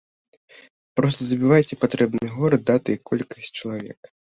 Проста забіваеце патрэбны горад, даты і колькасць чалавек.